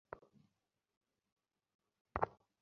তোমার সাথে দেখা করার পর এটা আমার যাত্রা।